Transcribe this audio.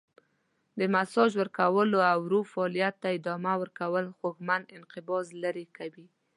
د ماساژ ورکول او ورو فعالیت ته ادامه ورکول خوږمن انقباض لرې کوي.